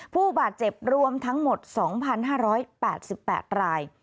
ผู้บาดเจ็บรวมทั้งหมด๒๕๘๘ราย